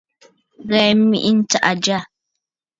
Ghɛ̀ɛ mèʼe ntsàʼà jyâ.